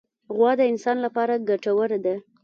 غوا د انسان لپاره ګټوره ده.